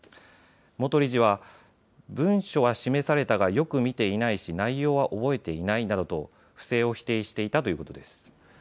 元理事は文書は示されたがよく見ていないし内容は覚えていないなどと不正を否定していたということです。